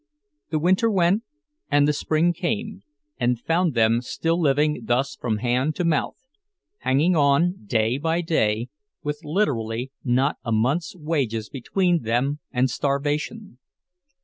The winter went, and the spring came, and found them still living thus from hand to mouth, hanging on day by day, with literally not a month's wages between them and starvation.